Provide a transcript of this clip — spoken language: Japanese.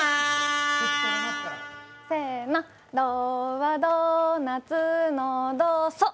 ドはドーナツのド、ソ。